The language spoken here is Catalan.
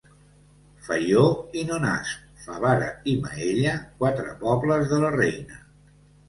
Faió i Nonasp, Favara i Maella, quatre pobles de la reina.